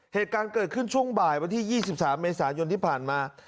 เหตุการณ์เกิดขึ้นช่วงบ่ายวันที่๒๓เมษายนที่ผ่านมา